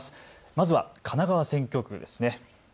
まずは神奈川選挙区ですね。